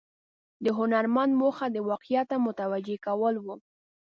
د هنرمند موخه د واقعیت ته متوجه کول و.